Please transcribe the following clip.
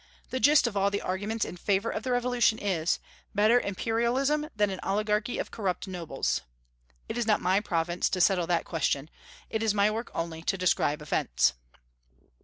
The gist of all the arguments in favor of the revolution is: better imperialism than an oligarchy of corrupt nobles. It is not my province to settle that question. It is my work only to describe events.